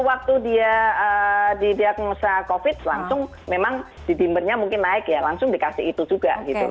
iya waktu dia di biasa covid langsung memang di dimbernya mungkin naik ya langsung dikasih itu juga